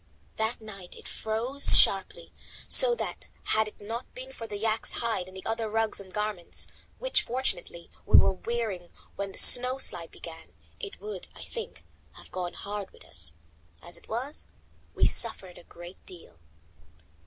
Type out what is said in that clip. That night it froze sharply, so that had it not been for the yak's hide and the other rugs and garments, which fortunately we were wearing when the snow slide began, it would, I think, have gone hard with us. As it was, we suffered a great deal.